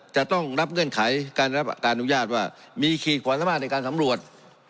จะต้องรับเงื่อนไขการรับการอนุญาตว่ามีขีดความสามารถในการสำรวจ